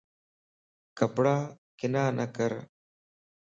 ڪپڙا ڪنا نڪر